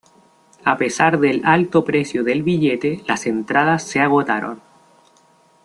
A pesar del alto precio del billete, las entradas se agotaron.